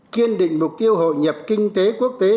kiên định mục tiêu hội nhập kinh tế quốc tế